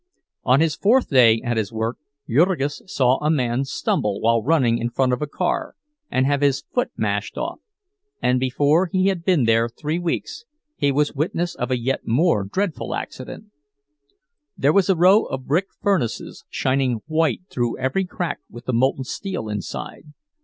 His fourth day at his work Jurgis saw a man stumble while running in front of a car, and have his foot mashed off, and before he had been there three weeks he was witness of a yet more dreadful accident. There was a row of brick furnaces, shining white through every crack with the molten steel inside.